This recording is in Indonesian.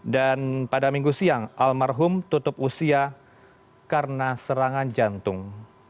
dan pada minggu siang almarhum tutup usia karena serangan jantung